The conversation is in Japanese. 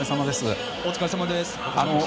お疲れさまです。